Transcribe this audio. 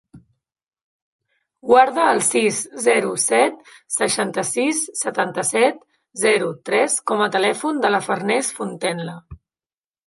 Guarda el sis, zero, set, seixanta-sis, setanta-set, zero, tres com a telèfon de la Farners Fontenla.